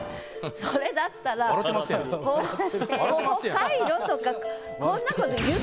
それだったら「頬カイロ」とかこんなことええ！